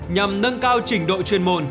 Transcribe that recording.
nhằm nâng cao trình độ chuyên môn